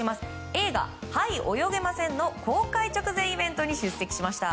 映画「はい、泳げません」の公開直前イベントに出席しました。